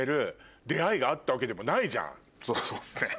そうですね。